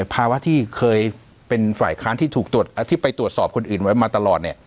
ภาวะที่เคยเป็นฝ่ายค้านที่ไปตรวจสอบคนอื่นไว้มาตลอด